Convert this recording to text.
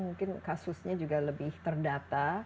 mungkin kasusnya juga lebih terdata